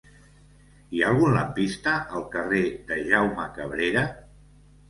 Hi ha algun lampista al carrer de Jaume Cabrera?